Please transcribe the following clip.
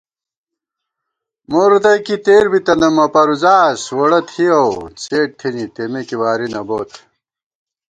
مو رتئ کی تېر بِتَنہ مہ پروزاس ووڑہ تھِیَؤ څېڈ تھنی تېمے کی واری نہ بوت